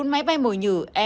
bốn máy bay mồi nhử ma hai